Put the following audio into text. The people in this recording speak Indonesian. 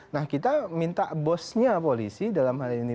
nah kita minta bosnya polisi dalam hal ini